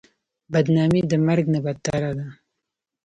بدنامي د مرګ نه بدتره ده.